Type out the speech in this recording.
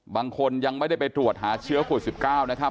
บางคนยังไม่ได้ไปตรวจหาเชื้อข่วดสิบเก้านะครับ